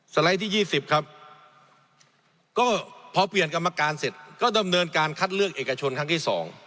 ไลด์ที่๒๐ครับก็พอเปลี่ยนกรรมการเสร็จก็ดำเนินการคัดเลือกเอกชนครั้งที่๒